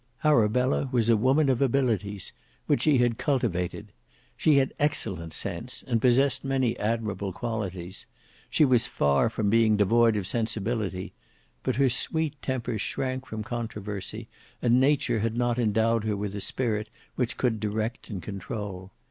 Arabella was a woman of abilities, which she had cultivated. She had excellent sense, and possessed many admirable qualities; she was far from being devoid of sensibility; but her sweet temper shrank from controversy, and Nature had not endowed her with a spirit which could direct and control.